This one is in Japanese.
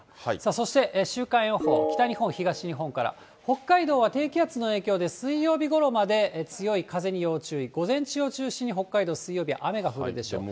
そして週間予報、北日本、東日本から、北海道は水曜日ごろまで強い風に要注意、午前中の中心に水曜日雨が降るでしょう。